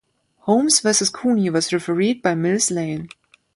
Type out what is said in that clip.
Holmes versus Cooney was refereed by Mills Lane.